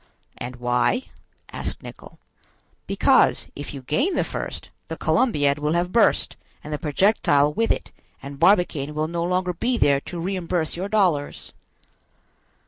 "And why?" asked Nicholl. "Because, if you gain the first, the Columbiad will have burst, and the projectile with it; and Barbicane will no longer be there to reimburse your dollars."